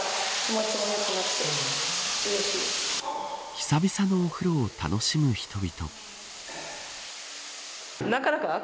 久々のお風呂を楽しむ人々。